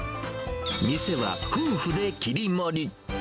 店は夫婦で切り盛り。